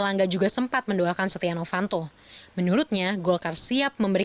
yang ada adalah seluruh kita bersama bekerja dalam satu sekolah